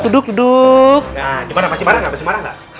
nah gimana masih marah ga masih marah ga